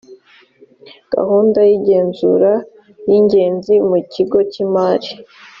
gahunda y’igenzura y’ingenzi mu kigo cy’imari